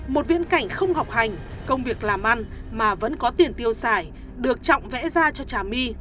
một viễn cảnh không học hành công việc làm ăn mà vẫn có tiền tiêu xài được trọng vẽ ra cho trà my